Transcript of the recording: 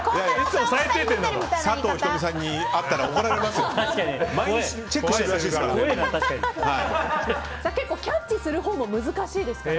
佐藤仁美さんに会ったら怒られますよ。